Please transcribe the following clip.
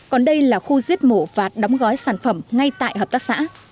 còn đây là khu giết mổ và đóng gói sản phẩm ngay tại hợp tác xã